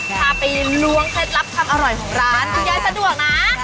พาไปล้วงเคล็ดลับความอร่อยของร้านคุณยายสะดวกนะ